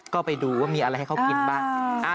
ก็ไปดูว่ามีอะไรให้เขากินบ้าง